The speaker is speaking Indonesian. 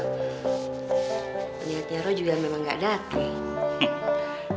pengingatnya lo juga memang gak dateng